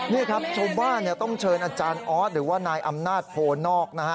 นี่ครับชาวบ้านต้องเชิญอาจารย์ออสหรือว่านายอำนาจโพนอกนะฮะ